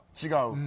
違う。